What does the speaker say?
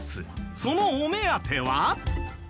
そのお目当ては？